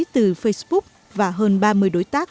từ facebook và hơn ba mươi đối tác